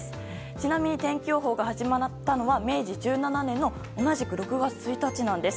ちなみに天気予報が始まったのは明治１７年の同じく６月１日なんです。